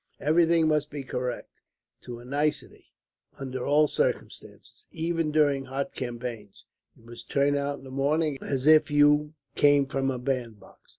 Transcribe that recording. Everything must be correct, to a nicety, under all circumstances. Even during hot campaigns, you must turn out in the morning as if you came from a band box.